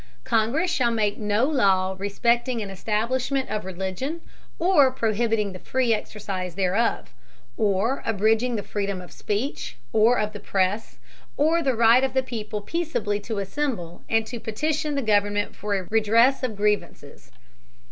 Congress shall make no law respecting an establishment of religion, or prohibiting the free exercise thereof; or abridging the freedom of speech, or of the press; or the right of the people peaceably to assemble, and to petition the Government for a redress of grievances.